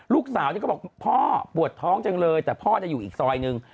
ลูกสาวนี่ก็บอกพ่อปวดท้องจังเลยแต่พ่อจะอยู่อีกซอยหนึ่ง